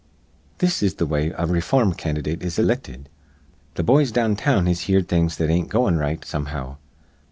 "This is th' way a rayform candydate is ilicted. Th' boys down town has heerd that things ain't goin' r right somehow.